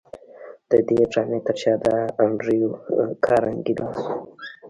د دې ډرامې تر شا د انډریو کارنګي لاس و